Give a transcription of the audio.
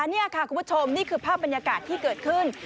นี่ค่ะคุณผู้ชมนี่คือภาพบรรยากาศที่เกิดขึ้น